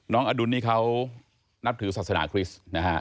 น้องอดุลนี่เขานับถือศาสนาคริสต์